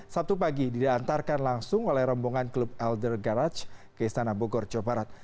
sabtu pagi diantarkan langsung oleh rombongan klub elder garage ke istana bogor jawa barat